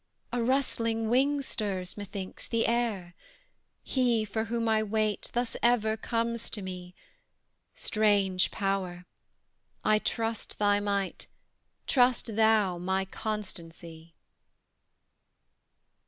a rustling wing stirs, methinks, the air: He for whom I wait, thus ever comes to me; Strange Power! I trust thy might; trust thou my constancy.